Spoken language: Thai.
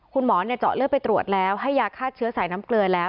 คุณหมอเจาะเลือดไปตรวจแล้วให้ยาฆ่าเชื้อใส่น้ำเกลือแล้ว